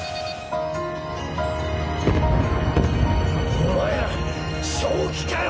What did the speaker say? お前ら正気かよ！